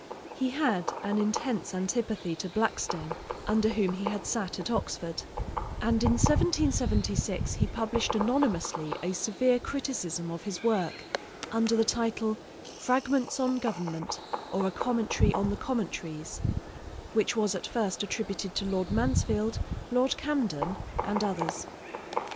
He had an intense antipathy to Blackstone, under whom he had sat at Oxford; and in 1776 he published anonymously a severe criticism of his work, under the title 'Fragments on Government, or a Commentary on the Commentaries,' which was at first attributed to Lord Mansfield, Lord Camden, and others.